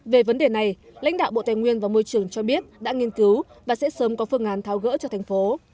về vấn đề này lãnh đạo bộ tài nguyên và môi trường cho biết đã nghiên cứu và sẽ sớm có phương án tháo gỡ cho thành phố